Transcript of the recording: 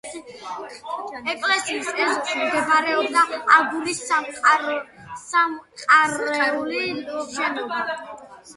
ეკლესიის ეზოში მდებარეობდა აგურის საყარაულო შენობა.